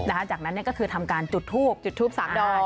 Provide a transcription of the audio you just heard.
นะฮะจากนั้นเนี่ยก็คือทำการจุดทูปจุดทูปสามดอกอ่า